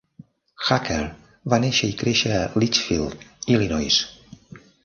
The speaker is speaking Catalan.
Hacker va néixer i créixer a Litchfield, Illinois.